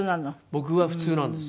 僕は普通なんです。